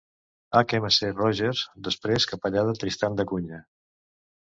HMC Rogers, després capellà de Tristan da Cunha.